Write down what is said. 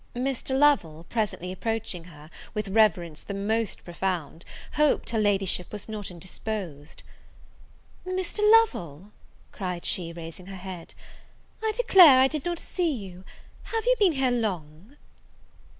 Mr. Lovel, presently approaching her, with reverence the most profound, hoped her Ladyship was not indisposed. "Mr. Lovel!" cried she, raising her head, "I declare I did not see you: have you been here long?"